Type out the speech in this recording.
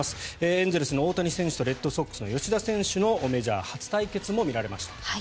エンゼルスの大谷選手とレッドソックスの吉田選手のメジャー初対決も見られました。